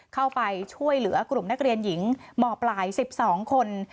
เข้าไปช่วยเหลือกลุ่มนักเรียนหญิงมปลาย๑๒คน